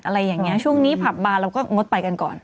อะไรอย่างนี้ช่วงนี้ผับบานเราก็งดไปกันก่อน